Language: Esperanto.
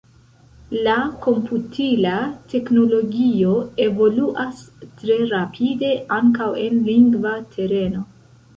La komputila teknologio evoluas tre rapide ankaŭ en lingva tereno.